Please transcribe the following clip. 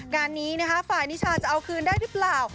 การนี้ไฟล์นิชาจะเอาคืนได้รึเปล่า